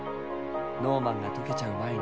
ノーマンが解けちゃう前に！